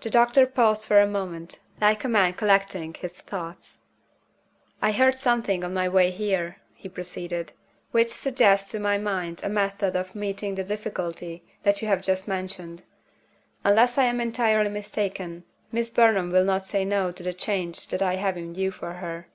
The doctor paused for a moment, like a man collecting his thoughts. "I heard something on my way here," he proceeded, "which suggests to my mind a method of meeting the difficulty that you have just mentioned. Unless I am entirely mistaken, Miss Burnham will not say No to the change that I have in view for her."